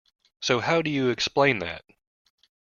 So, how do you explain that?